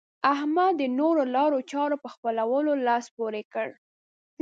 احمد د نورو لارو چارو په خپلولو لاس پورې کړ.